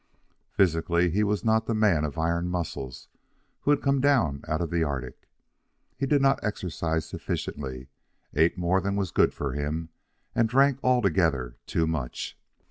Physically, he was not the man of iron muscles who had come down out of the Arctic. He did not exercise sufficiently, ate more than was good for him, and drank altogether too much.